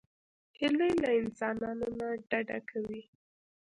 هیلۍ له انسانانو نه ډډه کوي